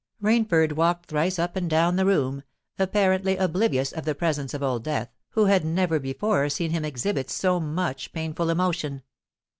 Rainford walked thrice up and down the room, apparently oblivious of the presence of Old Death, who had never before seen him exhibit so much painful emotion.